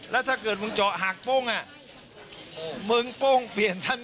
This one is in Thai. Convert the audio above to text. แล้วถ้าคุณชุวิตไม่ออกมาเป็นเรื่องกลุ่มมาเฟียร์จีน